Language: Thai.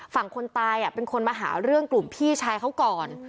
ฝั่งคนตายเป็นคนมาหาเรื่องกลุ่มพี่ชายเขาก่อน